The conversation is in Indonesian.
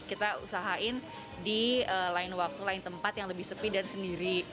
kita usahain di lain waktu lain tempat yang lebih sepi dan sendiri